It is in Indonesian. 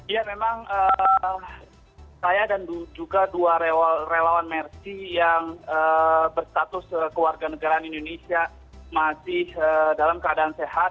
ya memang saya dan juga dua relawan mersi yang berstatus kewarganegaraan indonesia masih dalam keadaan sehat